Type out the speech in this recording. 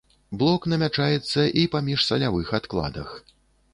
Блок намячаецца і па міжсалявых адкладах.